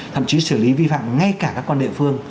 thậm chí xử lý vi phạm ngay cả các con địa phương